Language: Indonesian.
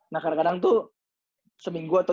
nah kadang kadang tuh seminggu atau